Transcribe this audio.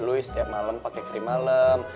lu sih setiap malem pake krim malem